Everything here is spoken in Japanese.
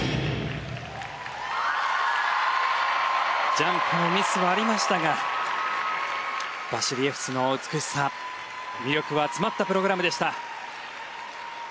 ジャンプのミスはありましたがバシリエフスの美しさ魅力は詰まったプログラムでした。